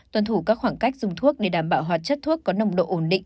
tuân thủ các khoảng cách dùng thuốc để đảm bảo hoạt chất thuốc có nồng độ ổn định